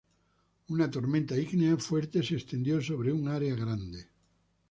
Una tormenta ígnea fuerte se extendió sobre un área grande.